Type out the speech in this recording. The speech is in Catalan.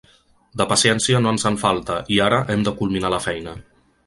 De paciència no ens en falta i ara hem de culminar la feina.